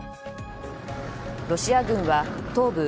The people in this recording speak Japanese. ロシア軍は東部